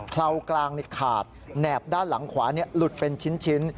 เคลากลางขาดแหนบด้านหลังขวาหลุดเป็นชิ้น